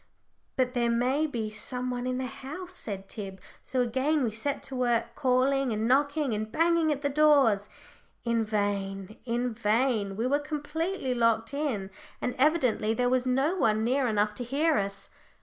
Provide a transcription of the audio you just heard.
"But there may be some one in the house," said Tib. So again we set to work calling, and knocking, and banging at the doors. In vain in vain! We were completely locked in, and evidently there was no one near enough to hear us.